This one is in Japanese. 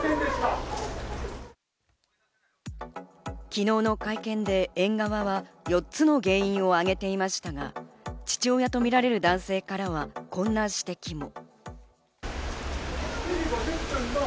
昨日の会見で園側は４つの原因を挙げていましたが、父親とみられる男性からは、こんな指摘も。